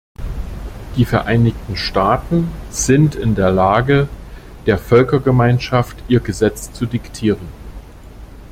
Die Vereinigten Staaten sind in der Lage, der Völkergemeinschaft ihr Gesetz zu diktieren.